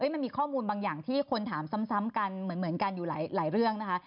มันมีข้อมูลบางอย่างที่คนถามซ้ำกันเหมือนกันอยู่หลายเรื่องนะคะ